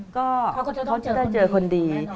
ก็เขาจะได้เจอคนดี